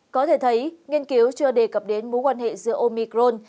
có thể thấy nghiên cứu chưa đề cập đến mối quan hệ giữa omicron